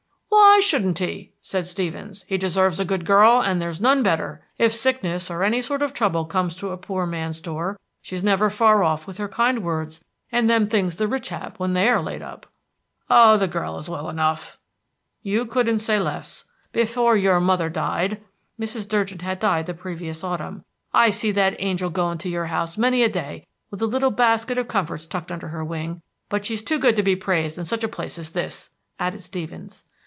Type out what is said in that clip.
"Why shouldn't he?" asked Stevens. "He deserves a good girl, and there's none better. If sickness or any sort of trouble comes to a poor man's door, she's never far off with her kind words and them things the rich have when they are laid up." "Oh, the girl is well enough." "You couldn't say less. Before your mother died," Mrs. Durgin had died the previous autumn, "I see that angil going to your house many a day with a little basket of comforts tucked under her wing. But she's too good to be praised in such a place as this," added Stevens.